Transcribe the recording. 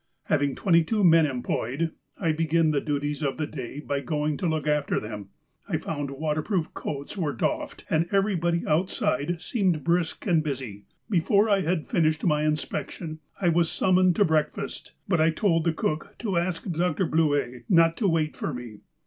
"Having twenty two men employed, I begin the duties of the day by going to look after them. I found waterproof coats were doffed, and everybody outside seemed brisk and busy. Before I had finished my inspection I was summoned to break fast; but I told the cook to ask Dr. Bluett not to wait for me.